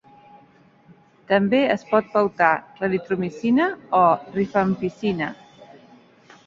També es pot pautar claritromicina o rifampicina.